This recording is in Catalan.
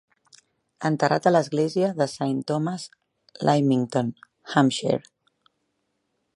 Enterrat a l'església de Saint Thomas, Lymington, Hampshire.